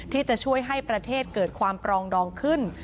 ที่จะช่วยให้ประเทศเกิดความปรองดองขึ้น